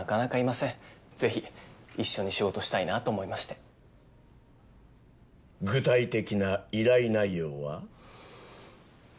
ぜひ一緒に仕事したいなと思いまして具体的な依頼内容は？